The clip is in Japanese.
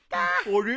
あれ？